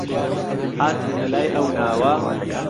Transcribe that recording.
هاتم لە لای ئەو ناوە